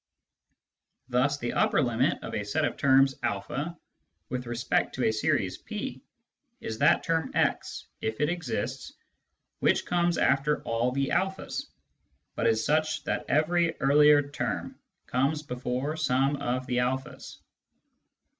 Thus the " upper limit " of a set of terms a with respect to a series P is that term x (if it exists) which comes after all the a's, but is such that every earlier term comes before some of the a's.